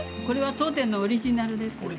これは当店のオリジナルです。